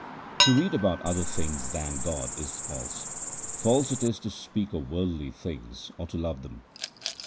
To read about other things than God is false ; false it is to speak of worldly things or to love them.